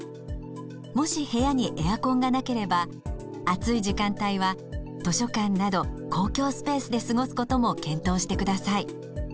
もし部屋にエアコンがなければ暑い時間帯は図書館など公共スペースで過ごすことも検討してください。